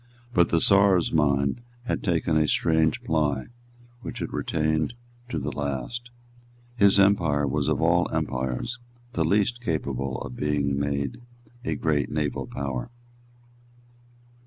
But the Czar's mind had early taken a strange ply which it retained to the last. His empire was of all empires the least capable of being made a great naval power.